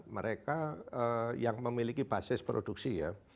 mereka yang memiliki basis produksi ya